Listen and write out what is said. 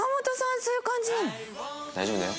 大丈夫だよ。